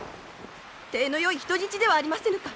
体のよい人質ではありませぬか！